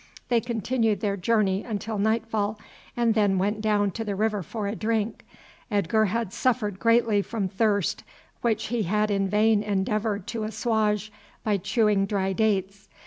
They continued their journey until nightfall, and then went down to the river for a drink. Edgar had suffered greatly from thirst, which he had in vain endeavoured to assuage by chewing dry dates.